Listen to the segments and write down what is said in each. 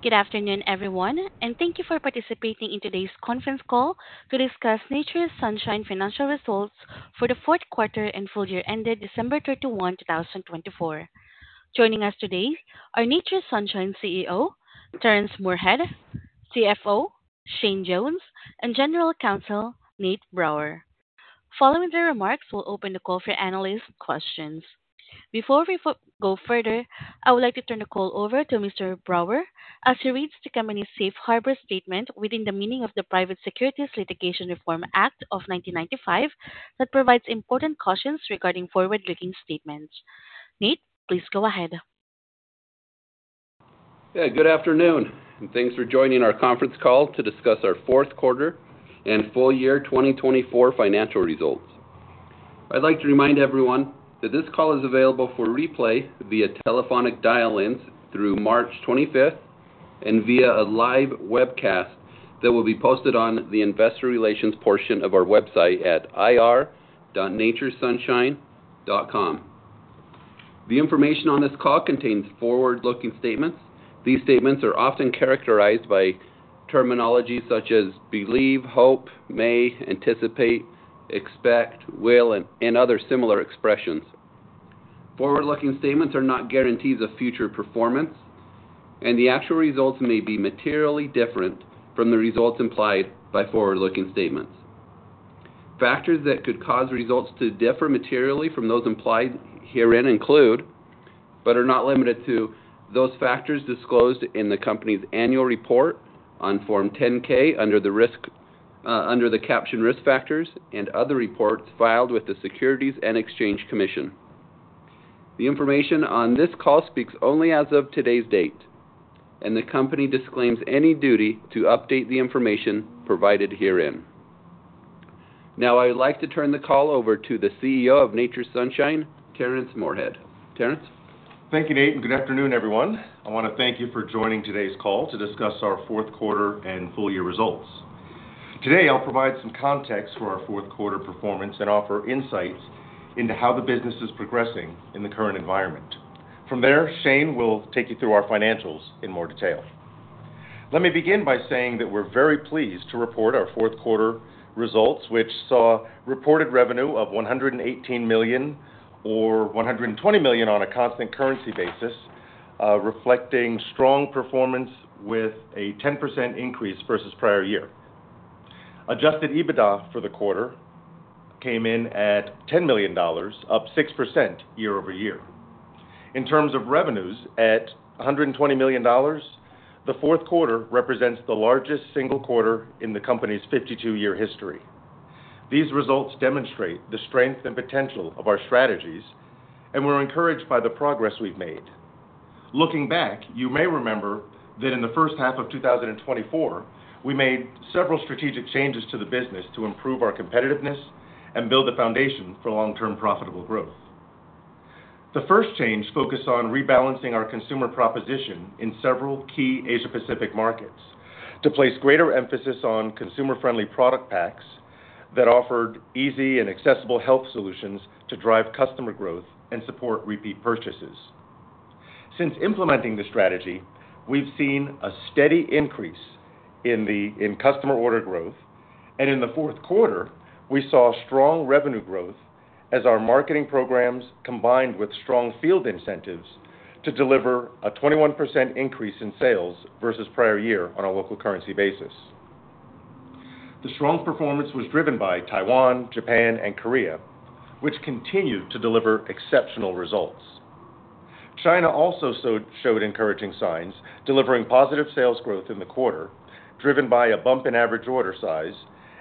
Good afternoon, everyone, and thank you for participating in today's conference call to discuss Nature's Sunshine financial results for the fourth quarter and full year ended December 31, 2024. Joining us today are Nature's Sunshine CEO, Terrence Moorehead, CFO, Shane Jones, and General Counsel Nate Brower. Following their remarks, we'll open the call for analyst questions. Before we go further, I would like to turn the call over to Mr. Brower as he reads the company's safe harbor statement within the meaning of the Private Securities Litigation Reform Act of 1995 that provides important cautions regarding forward-looking statements. Nate, please go ahead. Good afternoon, and thanks for joining our conference call to discuss our fourth quarter and full year 2024 financial results. I'd like to remind everyone that this call is available for replay via telephonic dial-ins through March 25th and via a live webcast that will be posted on the investor relations portion of our website at ir.naturesunshine.com. The information on this call contains forward-looking statements. These statements are often characterized by terminology such as believe, hope, may, anticipate, expect, will, and other similar expressions. Forward-looking statements are not guarantees of future performance, and the actual results may be materially different from the results implied by forward-looking statements. Factors that could cause results to differ materially from those implied herein include, but are not limited to, those factors disclosed in the company's annual report on Form 10-K under the captioned risk factors and other reports filed with the Securities and Exchange Commission. The information on this call speaks only as of today's date, and the company disclaims any duty to update the information provided herein. Now, I would like to turn the call over to the CEO of Nature's Sunshine, Terrence Moorehead. Terrence. Thank you, Nate, and good afternoon, everyone. I want to thank you for joining today's call to discuss our fourth quarter and full year results. Today, I'll provide some context for our fourth quarter performance and offer insights into how the business is progressing in the current environment. From there, Shane will take you through our financials in more detail. Let me begin by saying that we're very pleased to report our fourth quarter results, which saw reported revenue of $118 million or $120 million on a constant currency basis, reflecting strong performance with a 10% increase versus prior year. Adjusted EBITDA for the quarter came in at $10 million, up 6% year over year. In terms of revenues at $120 million, the fourth quarter represents the largest single quarter in the company's 52-year history. These results demonstrate the strength and potential of our strategies, and we're encouraged by the progress we've made. Looking back, you may remember that in the first half of 2024, we made several strategic changes to the business to improve our competitiveness and build the foundation for long-term profitable growth. The first change focused on rebalancing our consumer proposition in several key Asia-Pacific markets to place greater emphasis on consumer-friendly product packs that offered easy and accessible health solutions to drive customer growth and support repeat purchases. Since implementing the strategy, we've seen a steady increase in customer order growth, and in the fourth quarter, we saw strong revenue growth as our marketing programs combined with strong field incentives to deliver a 21% increase in sales versus prior year on a local currency basis. The strong performance was driven by Taiwan, Japan, and Korea, which continued to deliver exceptional results. China also showed encouraging signs, delivering positive sales growth in the quarter, driven by a bump in average order size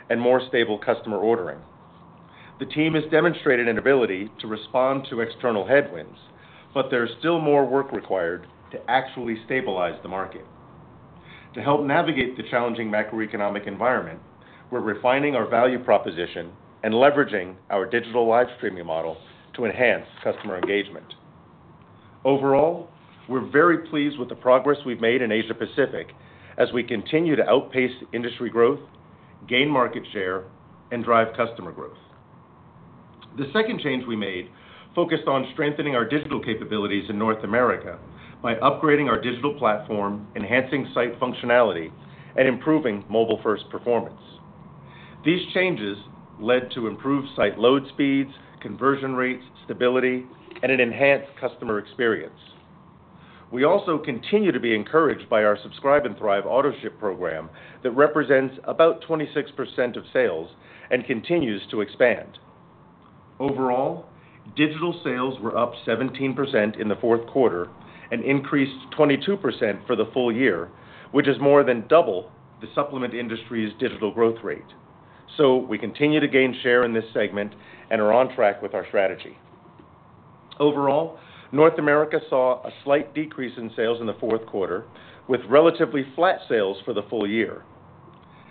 and more stable customer ordering. The team has demonstrated an ability to respond to external headwinds, but there's still more work required to actually stabilize the market. To help navigate the challenging macroeconomic environment, we're refining our value proposition and leveraging our digital live streaming model to enhance customer engagement. Overall, we're very pleased with the progress we've made in Asia-Pacific as we continue to outpace industry growth, gain market share, and drive customer growth. The second change we made focused on strengthening our digital capabilities in North America by upgrading our digital platform, enhancing site functionality, and improving mobile-first performance. These changes led to improved site load speeds, conversion rates, stability, and an enhanced customer experience. We also continue to be encouraged by our Subscribe & Thrive auto-ship program that represents about 26% of sales and continues to expand. Overall, digital sales were up 17% in the fourth quarter and increased 22% for the full year, which is more than double the supplement industry's digital growth rate. We continue to gain share in this segment and are on track with our strategy. Overall, North America saw a slight decrease in sales in the fourth quarter, with relatively flat sales for the full year.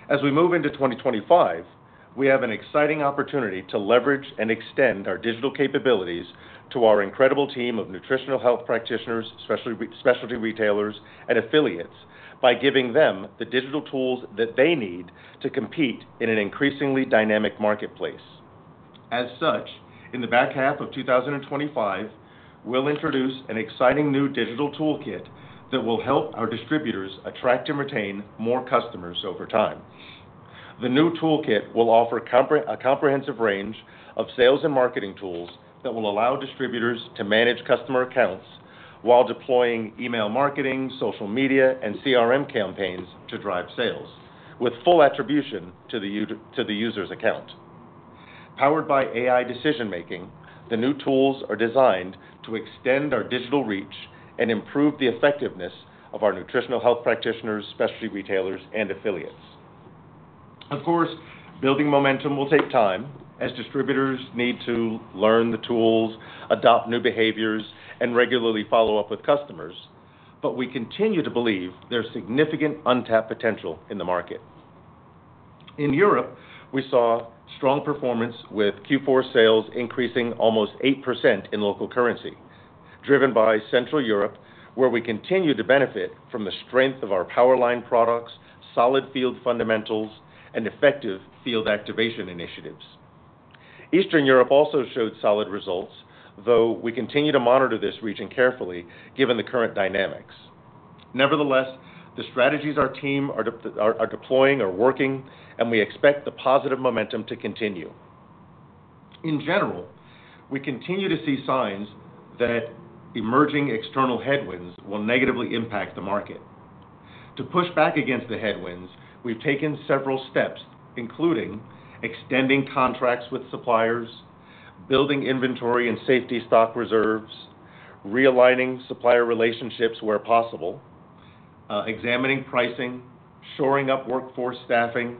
As we move into 2025, we have an exciting opportunity to leverage and extend our digital capabilities to our incredible team of nutritional health practitioners, specialty retailers, and affiliates by giving them the digital tools that they need to compete in an increasingly dynamic marketplace. As such, in the back half of 2025, we'll introduce an exciting new digital toolkit that will help our distributors attract and retain more customers over time. The new toolkit will offer a comprehensive range of sales and marketing tools that will allow distributors to manage customer accounts while deploying email marketing, social media, and CRM campaigns to drive sales, with full attribution to the user's account. Powered by AI decision-making, the new tools are designed to extend our digital reach and improve the effectiveness of our nutritional health practitioners, specialty retailers, and affiliates. Of course, building momentum will take time as distributors need to learn the tools, adopt new behaviors, and regularly follow up with customers, but we continue to believe there's significant untapped potential in the market. In Europe, we saw strong performance with Q4 sales increasing almost 8% in local currency, driven by Central Europe, where we continue to benefit from the strength of our Power Line products, solid field fundamentals, and effective field activation initiatives. Eastern Europe also showed solid results, though we continue to monitor this region carefully given the current dynamics. Nevertheless, the strategies our team are deploying are working, and we expect the positive momentum to continue. In general, we continue to see signs that emerging external headwinds will negatively impact the market. To push back against the headwinds, we've taken several steps, including extending contracts with suppliers, building inventory and safety stock reserves, realigning supplier relationships where possible, examining pricing, shoring up workforce staffing,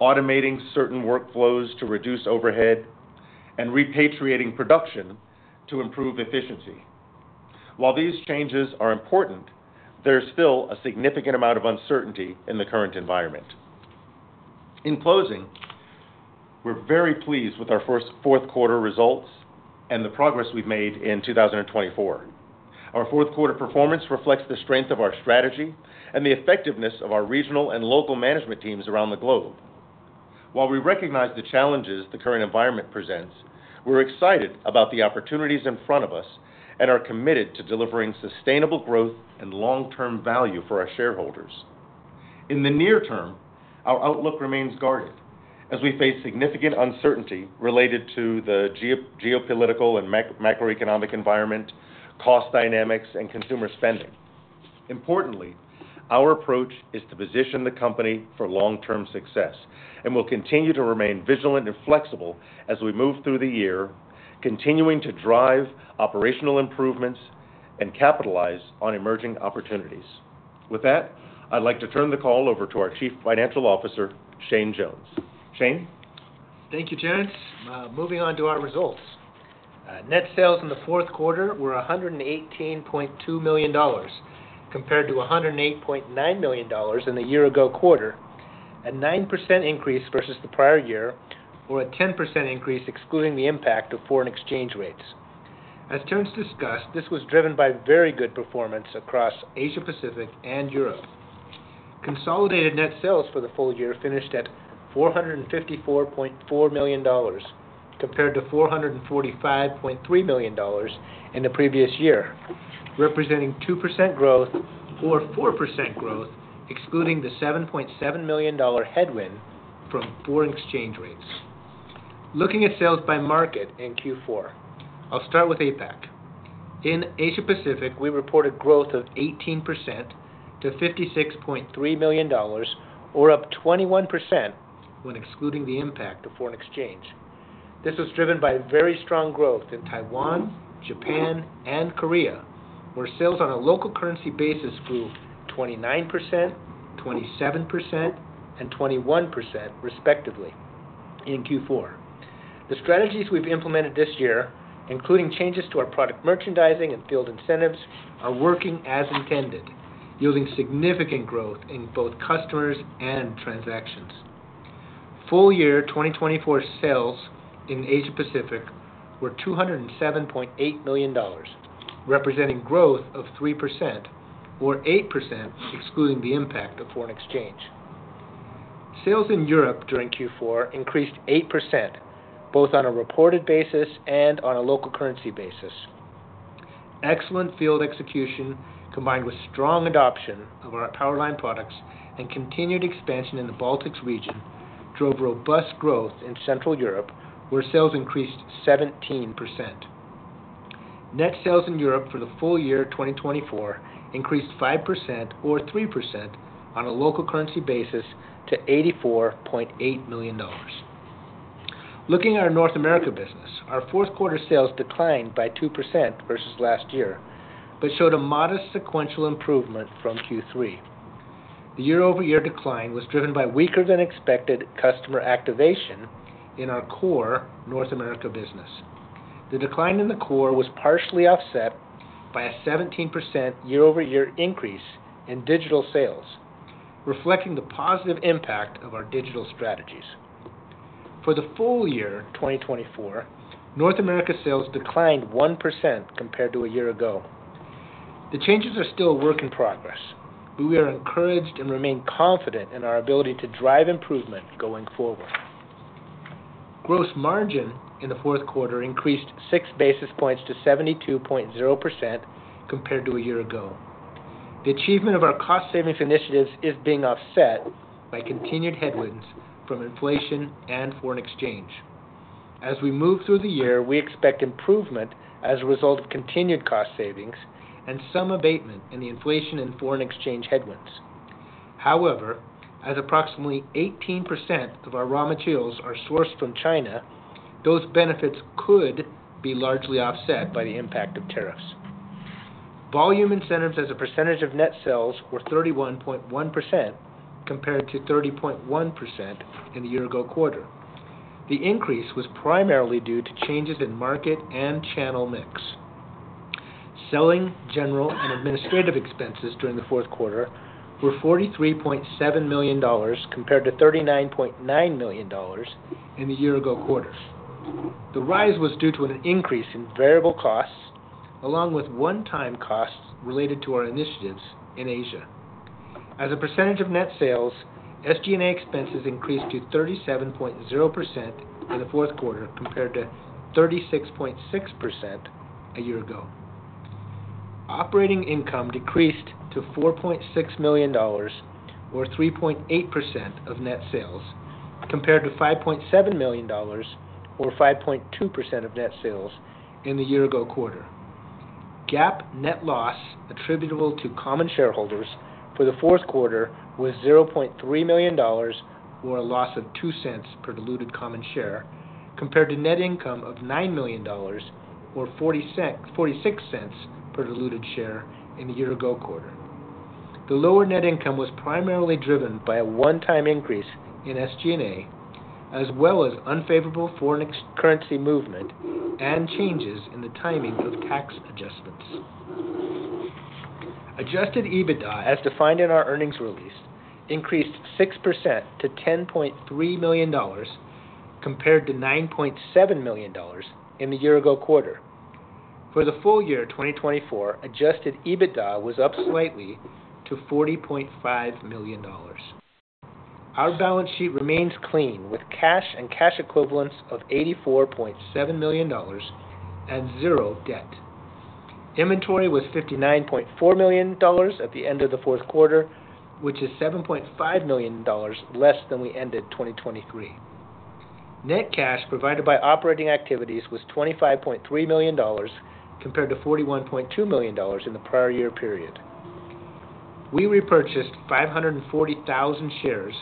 automating certain workflows to reduce overhead, and repatriating production to improve efficiency. While these changes are important, there's still a significant amount of uncertainty in the current environment. In closing, we're very pleased with our fourth quarter results and the progress we've made in 2024. Our fourth quarter performance reflects the strength of our strategy and the effectiveness of our regional and local management teams around the globe. While we recognize the challenges the current environment presents, we're excited about the opportunities in front of us and are committed to delivering sustainable growth and long-term value for our shareholders. In the near term, our outlook remains guarded as we face significant uncertainty related to the geopolitical and macroeconomic environment, cost dynamics, and consumer spending. Importantly, our approach is to position the company for long-term success and will continue to remain vigilant and flexible as we move through the year, continuing to drive operational improvements and capitalize on emerging opportunities. With that, I'd like to turn the call over to our Chief Financial Officer, Shane Jones. Shane. Thank you, Terrence. Moving on to our results. Net sales in the fourth quarter were $118.2 million compared to $108.9 million in the year-ago quarter, a 9% increase versus the prior year, or a 10% increase excluding the impact of foreign exchange rates. As Terrence discussed, this was driven by very good performance across Asia-Pacific and Europe. Consolidated net sales for the full year finished at $454.4 million compared to $445.3 million in the previous year, representing 2% growth or 4% growth excluding the $7.7 million headwind from foreign exchange rates. Looking at sales by market in Q4, I'll start with APAC. In Asia-Pacific, we reported growth of 18% to $56.3 million, or up 21% when excluding the impact of foreign exchange. This was driven by very strong growth in Taiwan, Japan, and Korea, where sales on a local currency basis grew 29%, 27%, and 21%, respectively, in Q4. The strategies we've implemented this year, including changes to our product merchandising and field incentives, are working as intended, yielding significant growth in both customers and transactions. Full year 2024 sales in Asia-Pacific were $207.8 million, representing growth of 3% or 8% excluding the impact of foreign exchange. Sales in Europe during Q4 increased 8%, both on a reported basis and on a local currency basis. Excellent field execution combined with strong adoption of our Power Line products and continued expansion in the Baltic region drove robust growth in Central Europe, where sales increased 17%. Net sales in Europe for the full year 2024 increased 5% or 3% on a local currency basis to $84.8 million. Looking at our North America business, our fourth quarter sales declined by 2% versus last year but showed a modest sequential improvement from Q3. The year-over-year decline was driven by weaker-than-expected customer activation in our core North America business. The decline in the core was partially offset by a 17% year-over-year increase in digital sales, reflecting the positive impact of our digital strategies. For the full year 2024, North America sales declined 1% compared to a year ago. The changes are still a work in progress, but we are encouraged and remain confident in our ability to drive improvement going forward. Gross margin in the fourth quarter increased 6 basis points to 72.0% compared to a year ago. The achievement of our cost-savings initiatives is being offset by continued headwinds from inflation and foreign exchange. As we move through the year, we expect improvement as a result of continued cost savings and some abatement in the inflation and foreign exchange headwinds. However, as approximately 18% of our raw materials are sourced from China, those benefits could be largely offset by the impact of tariffs. Volume incentives as a percentage of net sales were 31.1% compared to 30.1% in the year-ago quarter. The increase was primarily due to changes in market and channel mix. Selling, general, and administrative expenses during the fourth quarter were $43.7 million compared to $39.9 million in the year-ago quarter. The rise was due to an increase in variable costs along with one-time costs related to our initiatives in Asia. As a percentage of net sales, SG&A expenses increased to 37.0% in the fourth quarter compared to 36.6% a year ago. Operating income decreased to $4.6 million, or 3.8% of net sales, compared to $5.7 million, or 5.2% of net sales in the year-ago quarter. GAAP net loss attributable to common shareholders for the fourth quarter was $0.3 million, or a loss of $0.02 per diluted common share, compared to net income of $9 million, or 46 cents per diluted share in the year-ago quarter. The lower net income was primarily driven by a one-time increase in SG&A, as well as unfavorable foreign currency movement and changes in the timing of tax adjustments. Adjusted EBITDA, as defined in our earnings release, increased 6% to $10.3 million compared to $9.7 million in the year-ago quarter. For the full year 2024, adjusted EBITDA was up slightly to $40.5 million. Our balance sheet remains clean with cash and cash equivalents of $84.7 million and zero debt. Inventory was $59.4 million at the end of the fourth quarter, which is $7.5 million less than we ended 2023. Net cash provided by operating activities was $25.3 million compared to $41.2 million in the prior year period. We repurchased 540,000 shares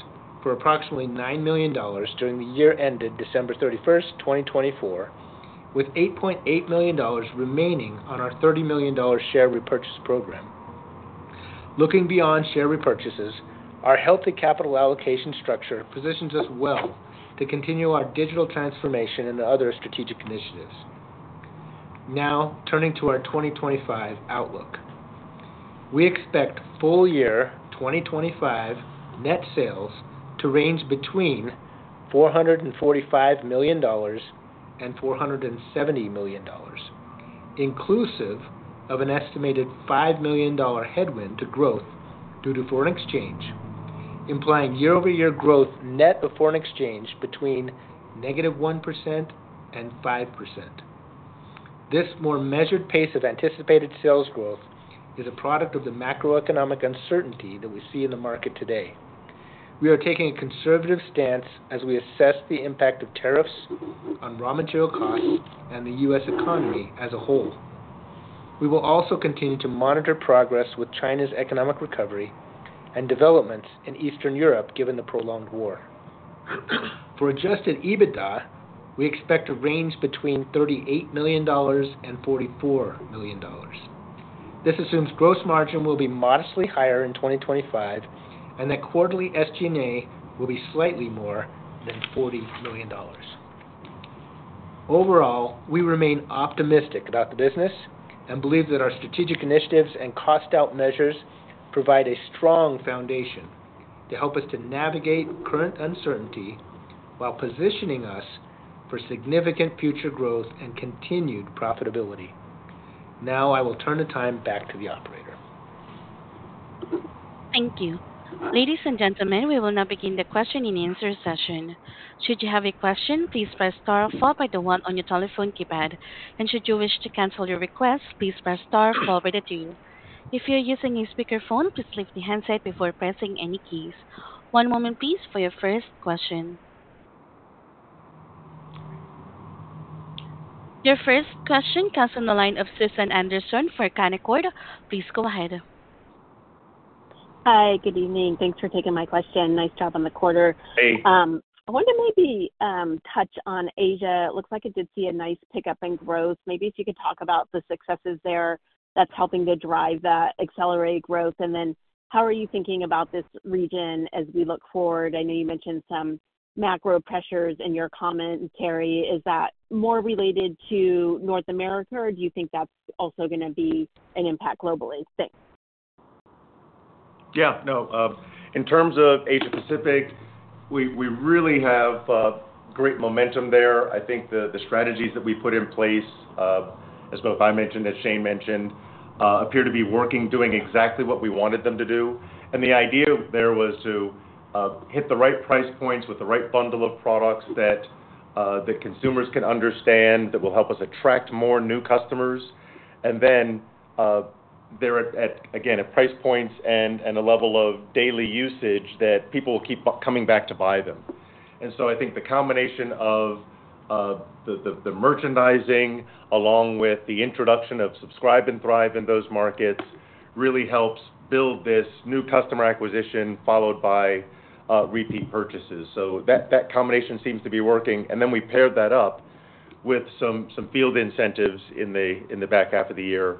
for approximately $9 million during the year ended December 31, 2024, with $8.8 million remaining on our $30 million share repurchase program. Looking beyond share repurchases, our healthy capital allocation structure positions us well to continue our digital transformation and other strategic initiatives. Now, turning to our 2025 outlook, we expect full year 2025 net sales to range between $445 million and $470 million, inclusive of an estimated $5 million headwind to growth due to foreign exchange, implying year-over-year growth net of foreign exchange between -1% and 5%. This more measured pace of anticipated sales growth is a product of the macroeconomic uncertainty that we see in the market today. We are taking a conservative stance as we assess the impact of tariffs on raw material costs and the U.S. economy as a whole. We will also continue to monitor progress with China's economic recovery and developments in Eastern Europe given the prolonged war. For adjusted EBITDA, we expect to range between $38 million and $44 million. This assumes gross margin will be modestly higher in 2025 and that quarterly SG&A will be slightly more than $40 million. Overall, we remain optimistic about the business and believe that our strategic initiatives and cost-out measures provide a strong foundation to help us to navigate current uncertainty while positioning us for significant future growth and continued profitability. Now, I will turn the time back to the operator. Thank you. Ladies and gentlemen, we will now begin the question and answer session. Should you have a question, please press star followed by the one on your telephone keypad. Should you wish to cancel your request, please press star followed by the two. If you're using a speakerphone, please lift the handset before pressing any keys. One moment, please, for your first question. Your first question comes from the line of Susan Anderson for Canaccord. Please go ahead. Hi, good evening. Thanks for taking my question. Nice job on the quarter. I want to maybe touch on Asia. It looks like it did see a nice pickup in growth. Maybe if you could talk about the successes there that's helping to drive that accelerated growth. How are you thinking about this region as we look forward? I know you mentioned some macro pressures in your comment, Terry. Is that more related to North America, or do you think that's also going to be an impact globally? Thanks. Yeah. No, in terms of Asia-Pacific, we really have great momentum there. I think the strategies that we put in place, as both I mentioned and Shane mentioned, appear to be working, doing exactly what we wanted them to do. The idea there was to hit the right price points with the right bundle of products that consumers can understand that will help us attract more new customers. They are at, again, at price points and a level of daily usage that people will keep coming back to buy them. I think the combination of the merchandising along with the introduction of Subscribe & Thrive in those markets really helps build this new customer acquisition followed by repeat purchases. That combination seems to be working. We paired that up with some field incentives in the back half of the year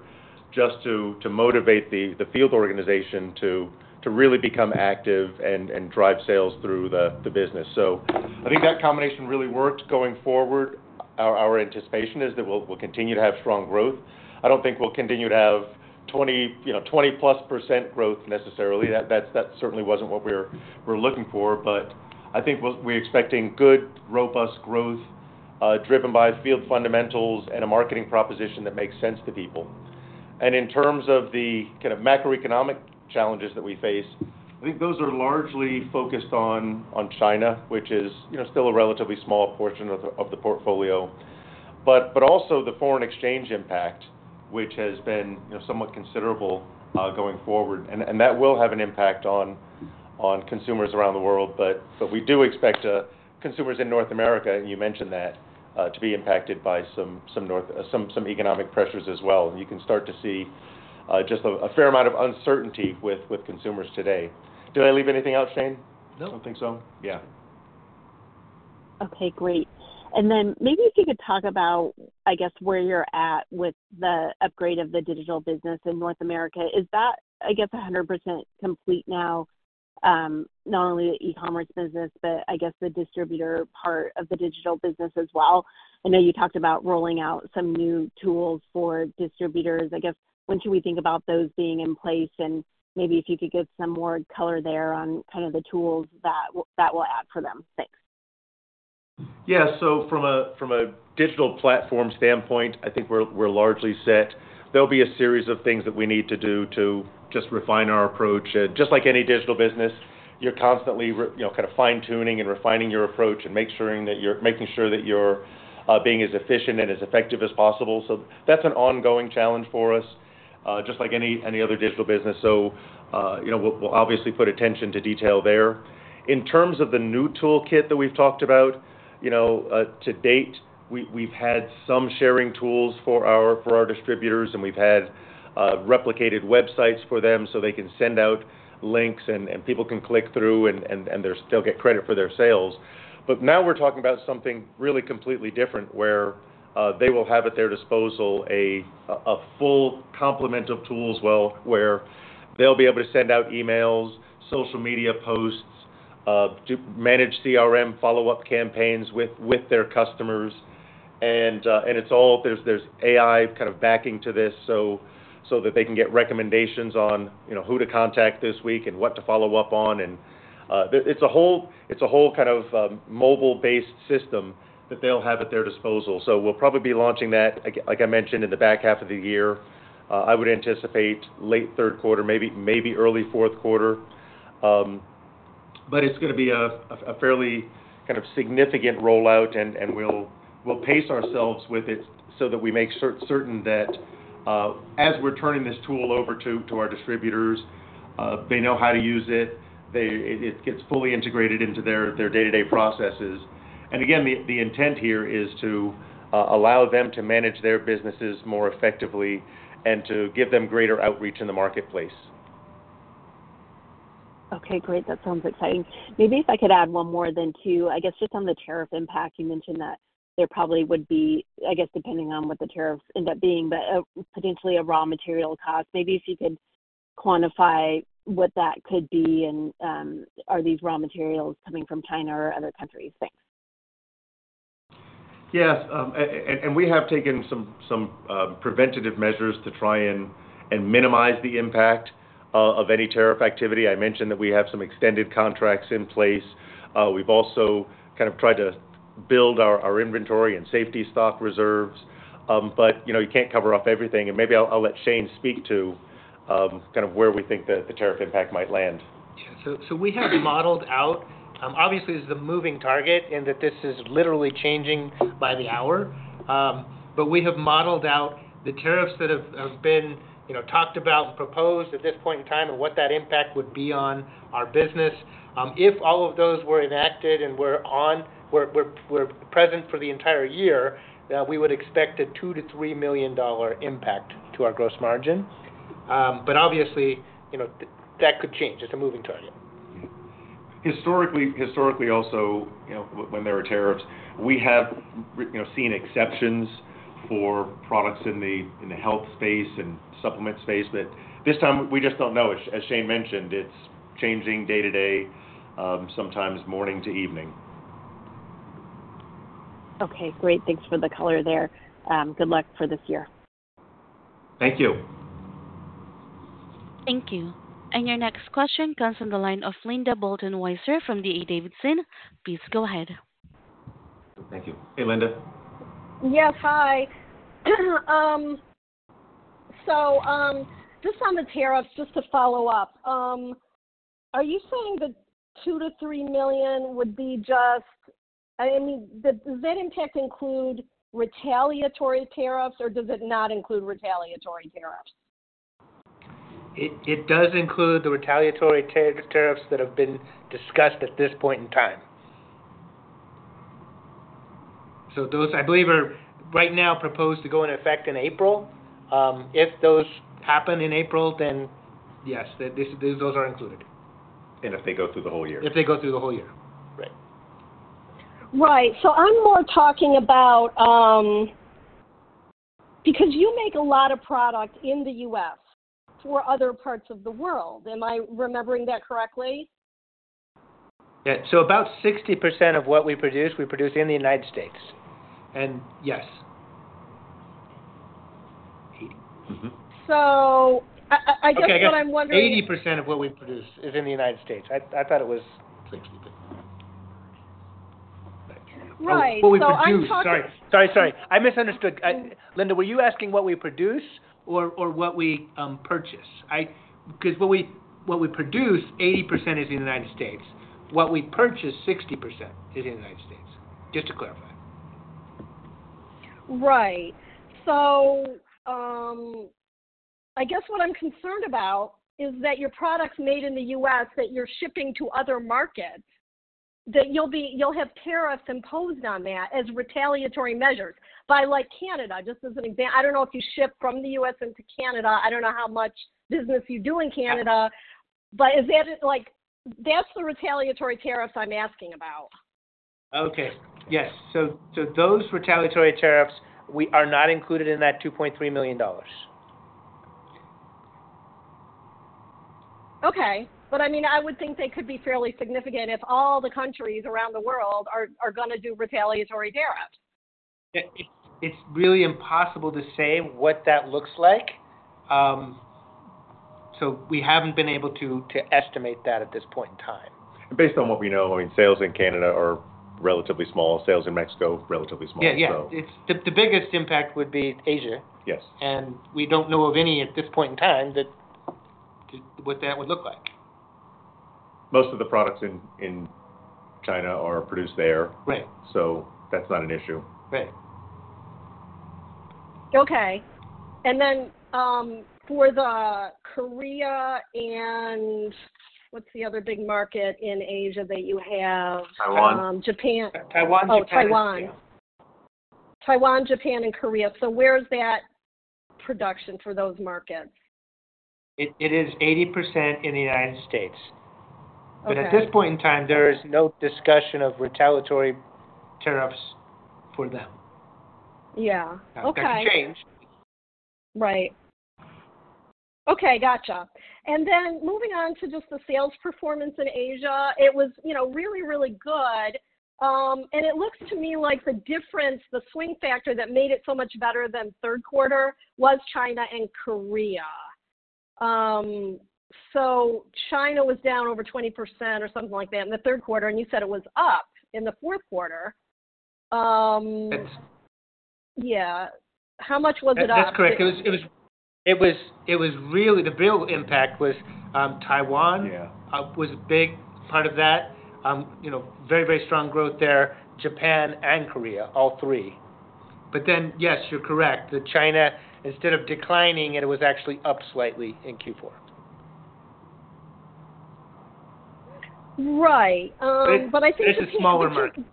just to motivate the field organization to really become active and drive sales through the business. I think that combination really worked going forward. Our anticipation is that we'll continue to have strong growth. I don't think we'll continue to have 20%+ growth necessarily. That certainly wasn't what we're looking for. I think we're expecting good, robust growth driven by field fundamentals and a marketing proposition that makes sense to people. In terms of the kind of macroeconomic challenges that we face, I think those are largely focused on China, which is still a relatively small portion of the portfolio, but also the foreign exchange impact, which has been somewhat considerable going forward. That will have an impact on consumers around the world. We do expect consumers in North America, and you mentioned that, to be impacted by some economic pressures as well. You can start to see just a fair amount of uncertainty with consumers today. Did I leave anything out, Shane? No. I don't think so. Yeah. Okay. Great. Maybe if you could talk about, I guess, where you're at with the upgrade of the digital business in North America. Is that, I guess, 100% complete now, not only the e-commerce business, but I guess the distributor part of the digital business as well? I know you talked about rolling out some new tools for distributors. I guess when should we think about those being in place? Maybe if you could give some more color there on kind of the tools that will add for them. Thanks. Yeah. From a digital platform standpoint, I think we're largely set. There'll be a series of things that we need to do to just refine our approach. Just like any digital business, you're constantly kind of fine-tuning and refining your approach and making sure that you're being as efficient and as effective as possible. That's an ongoing challenge for us, just like any other digital business. We'll obviously put attention to detail there. In terms of the new toolkit that we've talked about, to date, we've had some sharing tools for our distributors, and we've had replicated websites for them so they can send out links and people can click through and they'll get credit for their sales. Now we're talking about something really completely different where they will have at their disposal a full complement of tools where they'll be able to send out emails, social media posts, manage CRM follow-up campaigns with their customers. There's AI kind of backing to this so that they can get recommendations on who to contact this week and what to follow up on. It's a whole kind of mobile-based system that they'll have at their disposal. We'll probably be launching that, like I mentioned, in the back half of the year. I would anticipate late third quarter, maybe early fourth quarter. It's going to be a fairly kind of significant rollout, and we'll pace ourselves with it so that we make certain that as we're turning this tool over to our distributors, they know how to use it. It gets fully integrated into their day-to-day processes. The intent here is to allow them to manage their businesses more effectively and to give them greater outreach in the marketplace. Okay. Great. That sounds exciting. Maybe if I could add one more than two, I guess just on the tariff impact, you mentioned that there probably would be, I guess, depending on what the tariffs end up being, but potentially a raw material cost. Maybe if you could quantify what that could be and are these raw materials coming from China or other countries. Thanks. Yes. We have taken some preventative measures to try and minimize the impact of any tariff activity. I mentioned that we have some extended contracts in place. We have also kind of tried to build our inventory and safety stock reserves. You cannot cover off everything. Maybe I will let Shane speak to kind of where we think the tariff impact might land. Yeah. We have modeled out, obviously, this is a moving target in that this is literally changing by the hour. We have modeled out the tariffs that have been talked about and proposed at this point in time and what that impact would be on our business. If all of those were enacted and were present for the entire year, we would expect a $2 million-$3 million impact to our gross margin. Obviously, that could change. It's a moving target. Yeah. Historically, also when there were tariffs, we have seen exceptions for products in the health space and supplement space. This time, we just do not know. As Shane mentioned, it is changing day to day, sometimes morning to evening. Okay. Great. Thanks for the color there. Good luck for this year. Thank you. Thank you. Your next question comes from the line of Linda Bolton Weiser from D.A. Davidson. Please go ahead. Thank you. Hey, Linda. Yes. Hi. Just on the tariffs, just to follow up, are you saying that $2 million-$3 million would be just, I mean, does that impact include retaliatory tariffs, or does it not include retaliatory tariffs? It does include the retaliatory tariffs that have been discussed at this point in time. Those, I believe, are right now proposed to go into effect in April. If those happen in April, then yes, those are included. If they go through the whole year. If they go through the whole year. Right. Right. I am more talking about because you make a lot of product in the U.S. for other parts of the world. Am I remembering that correctly? Yeah. About 60% of what we produce, we produce in the United States. Yes. I guess what I'm wondering. 80% of what we produce is in the United States. I thought it was 60, but. Right. I'm talking. Sorry. Sorry. I misunderstood. Linda, were you asking what we produce or what we purchase? Because what we produce, 80% is in the United States. What we purchase, 60% is in the United States. Just to clarify. Right. I guess what I'm concerned about is that your product's made in the U.S., that you're shipping to other markets, that you'll have tariffs imposed on that as retaliatory measures by, like, Canada, just as an example. I don't know if you ship from the U.S. into Canada. I don't know how much business you do in Canada. That's the retaliatory tariffs I'm asking about. Okay. Yes. So those retaliatory tariffs are not included in that $2.3 million. Okay. I mean, I would think they could be fairly significant if all the countries around the world are going to do retaliatory tariffs. It's really impossible to say what that looks like. We haven't been able to estimate that at this point in time. Based on what we know, I mean, sales in Canada are relatively small. Sales in Mexico, relatively small. Yeah. Yeah. The biggest impact would be Asia. We do not know of any at this point in time what that would look like. Most of the products in China are produced there. That is not an issue. Right. Okay. For Korea, and what's the other big market in Asia that you have? Taiwan. Japan. Taiwan, Japan. Oh, Taiwan. Taiwan, Japan, and Korea. Where's that production for those markets? It is 80% in the United States. At this point in time, there is no discussion of retaliatory tariffs for them. Yeah. Okay. That could change. Right. Okay. Gotcha. Moving on to just the sales performance in Asia, it was really, really good. It looks to me like the difference, the swing factor that made it so much better than third quarter was China and Korea. China was down over 20% or something like that in the third quarter, and you said it was up in the fourth quarter. Yeah. How much was it up? That's correct. It was really the real impact was Taiwan was a big part of that. Very, very strong growth there. Japan and Korea, all three. Yes, you are correct. The China, instead of declining, it was actually up slightly in Q4. Right. I think it's a difference. It's a smaller market.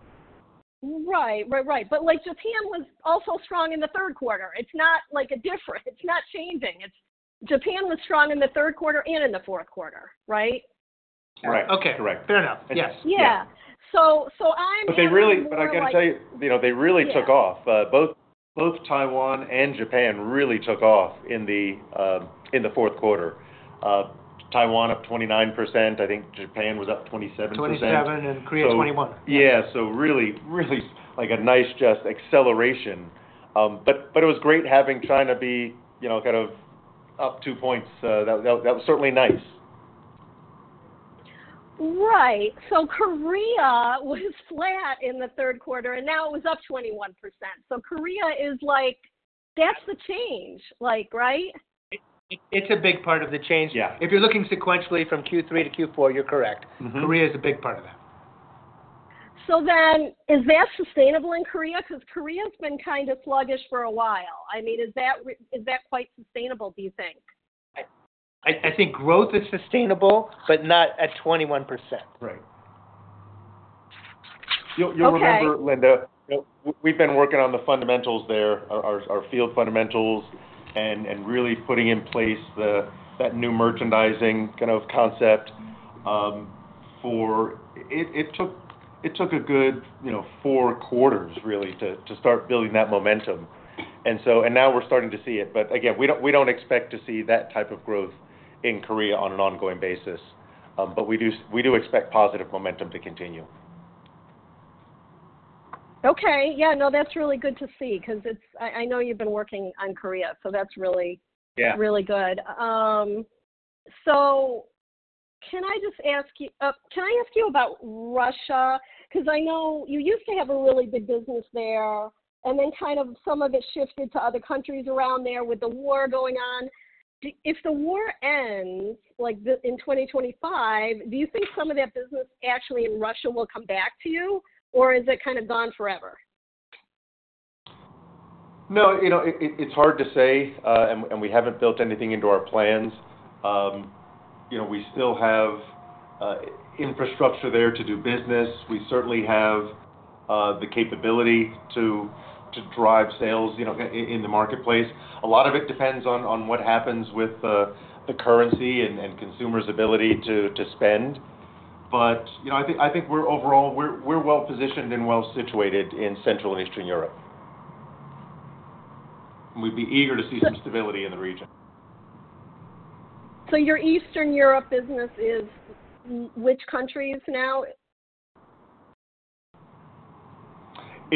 Right. Right. Right. Japan was also strong in the third quarter. It's not a difference. It's not changing. Japan was strong in the third quarter and in the fourth quarter. Right? Right. Okay. Correct. Fair enough. Yes. Yeah. I'm. I got to tell you, they really took off. Both Taiwan and Japan really took off in the fourth quarter. Taiwan up 29%. I think Japan was up 27%. 27 and Korea 21. Yeah. Really, really a nice just acceleration. It was great having China be kind of up two points. That was certainly nice. Right. Korea was flat in the third quarter, and now it was up 21%. Korea is like, that's the change. Right? It's a big part of the change. If you're looking sequentially from Q3 to Q4, you're correct. Korea is a big part of that. Is that sustainable in Korea? Because Korea's been kind of sluggish for a while. I mean, is that quite sustainable, do you think? I think growth is sustainable, but not at 21%. Right. You'll remember, Linda, we've been working on the fundamentals there, our field fundamentals, and really putting in place that new merchandising kind of concept for it took a good four quarters, really, to start building that momentum. Now we're starting to see it. We do not expect to see that type of growth in Korea on an ongoing basis. We do expect positive momentum to continue. Okay. Yeah. No, that's really good to see because I know you've been working on Korea. That's really good. Can I just ask you about Russia? I know you used to have a really big business there, and then kind of some of it shifted to other countries around there with the war going on. If the war ends in 2025, do you think some of that business actually in Russia will come back to you, or is it kind of gone forever? No. It's hard to say. We haven't built anything into our plans. We still have infrastructure there to do business. We certainly have the capability to drive sales in the marketplace. A lot of it depends on what happens with the currency and consumers' ability to spend. I think overall, we're well-positioned and well-situated in Central and Eastern Europe. We'd be eager to see some stability in the region. Your Eastern Europe business is which countries now?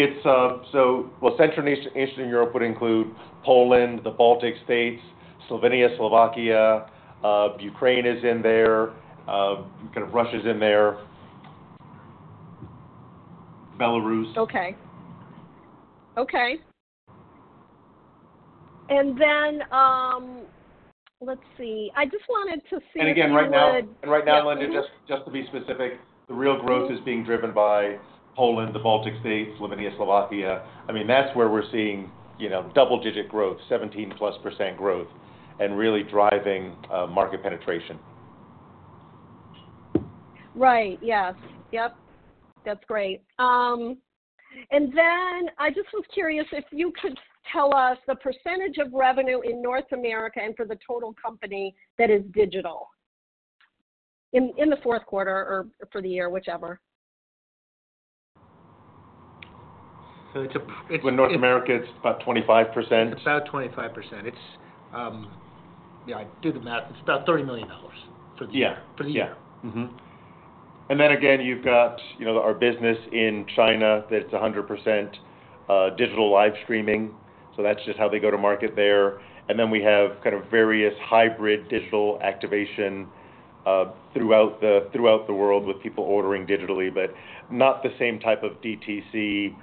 Central and Eastern Europe would include Poland, the Baltic states, Slovenia, Slovakia. Ukraine is in there. Kind of Russia is in there. Belarus. Okay. Okay. Let's see. I just wanted to see if you would. Right now, Linda, just to be specific, the real growth is being driven by Poland, the Baltic states, Slovenia, Slovakia. I mean, that's where we're seeing double-digit growth, 17%+ growth, and really driving market penetration. Right. Yes. Yep. That's great. I just was curious if you could tell us the percentage of revenue in North America and for the total company that is digital in the fourth quarter or for the year, whichever. It's, with North America, it's about 25%. It's about 25%. Yeah. I did the math. It's about $30 million for the year. Yeah. Then again, you've got our business in China that's 100% digital live streaming. That's just how they go to market there. We have kind of various hybrid digital activation throughout the world with people ordering digitally, but not the same type of DTC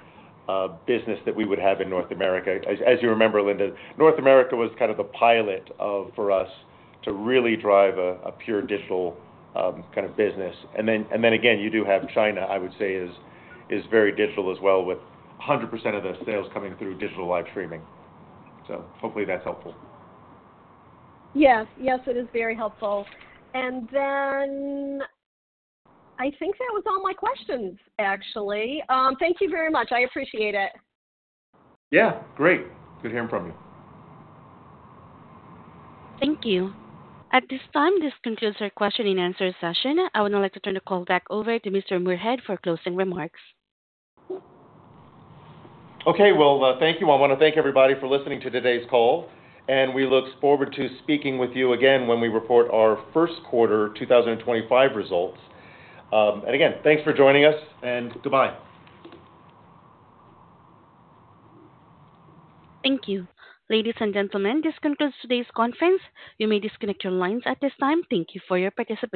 business that we would have in North America. As you remember, Linda, North America was kind of the pilot for us to really drive a pure digital kind of business. You do have China, I would say, is very digital as well, with 100% of the sales coming through digital live streaming. Hopefully that's helpful. Yes. Yes. It is very helpful. I think that was all my questions, actually. Thank you very much. I appreciate it. Yeah. Great. Good hearing from you. Thank you. At this time, this concludes our question and answer session. I would now like to turn the call back over to Mr. Moorehead for closing remarks. Thank you. I want to thank everybody for listening to today's call. We look forward to speaking with you again when we report our first quarter 2025 results. Again, thanks for joining us. Goodbye. Thank you. Ladies and gentlemen, this concludes today's conference. You may disconnect your lines at this time. Thank you for your participation.